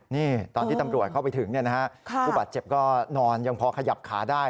นี่ตอนที่ตำรวจเข้าไปถึงผู้บาดเจ็บก็นอนยังพอขยับขาได้